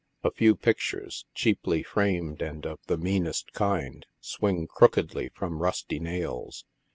A few pictures, cheaply framed and of the meanest kind, swing crookedly from rusty nails.